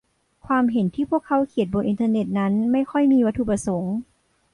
ความเห็นที่พวกเขาเขียนบนอินเทอร์เน็ตนั้นไม่ค่อยมีวัตถุประสงค์